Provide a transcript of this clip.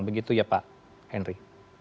begitu ya pak henry